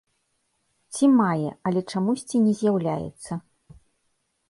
Ці мае, але чамусьці не з'яўляецца.